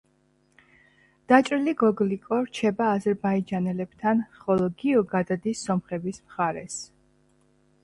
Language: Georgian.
დაჭრილი გოგლიკო რჩება აზერბაიჯანელებთან, ხოლო გიო გადადის სომხების მხარეს.